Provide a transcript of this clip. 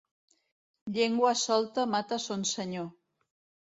Llengua solta mata son senyor.